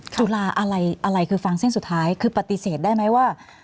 ตุลาอะไรอะไรคือฟังเส้นสุดท้ายคือปฏิเสธได้ไหมว่า